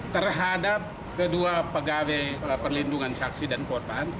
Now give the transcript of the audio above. terhadap kedua pegawai perlindungan saksi dan korban